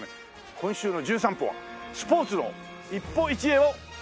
今週の『じゅん散歩』はスポーツの一歩一会をお送りします。